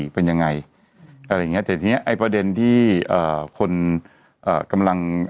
๑๒๓๔เป็นยังไงอะไรอย่างนี้แต่ทีนี้ไอ้ประเด็นที่คนกำลัง